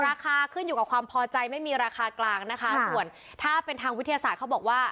ราคาขึ้นอยู่กับความพอใจไม่มีราคากลางนะคะส่วนถ้าเป็นทางวิทยาศาสตร์เขาบอกว่า